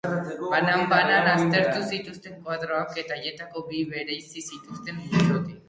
Banan-banan aztertu zituzten koadroak, eta haietako bi bereizi zituzten multzotik.